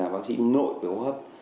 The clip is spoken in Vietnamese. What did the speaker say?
bác sĩ nội về hỗ hợp